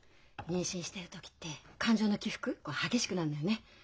妊娠してる時って感情の起伏激しくなるのよね。